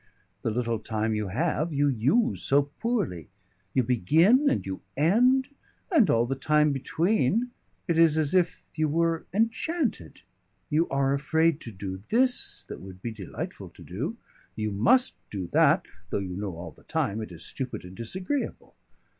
The little time you have, you use so poorly. You begin and you end, and all the time between it is as if you were enchanted; you are afraid to do this that would be delightful to do, you must do that, though you know all the time it is stupid and disagreeable.